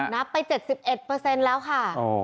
นับไป๗๑แล้วค่ะ